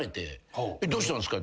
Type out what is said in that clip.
「どうしたんですか？」